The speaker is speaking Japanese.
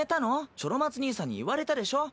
チョロ松兄さんに言われたでしょ」